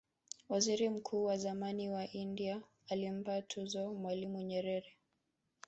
waziri mkuu wa zamani wa india alimpa tuzo mwalimu nyerere